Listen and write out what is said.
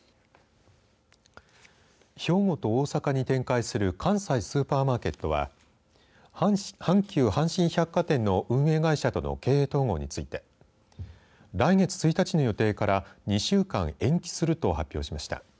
兵庫と大阪に展開する関西スーパーマーケットは阪急阪神百貨店の運営会社との経営統合について来月１日の予定から２週間延期すると発表しました。